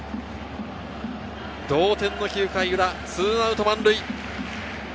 同点の９回裏、２アウト満塁。